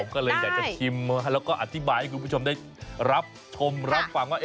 ก็เลยอยากจะชิมแล้วก็อธิบายให้คุณผู้ชมได้รับชมรับฟังว่า